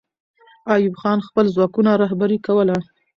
ایوب خان خپل ځواکونه رهبري کوله.